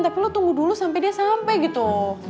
tapi lo tunggu dulu sampe dia sampe gitu